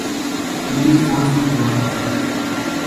police force کو join کر